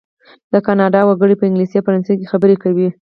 د کانادا وګړي په انګلیسي او فرانسوي خبرې کوي.